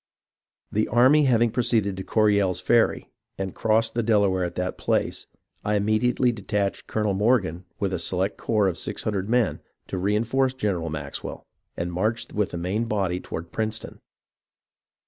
The army having proceeded to Coryell's Ferry, and crossed the Delaware at that place, I immediately detached Colonel Morgan with a select corps of six hundred men, to reinforce General Maxwell, and marched with the main body toward Princeton.